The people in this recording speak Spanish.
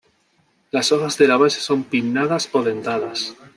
Las hojas de la base son pinnadas o dentadas.